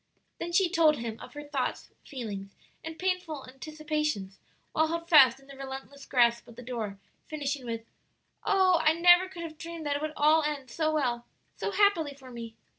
Then she told him of her thoughts, feelings, and painful anticipations while held fast in the relentless grasp of the door, finishing with, "Oh, I never could have dreamed that it would all end so well, so happily for me!"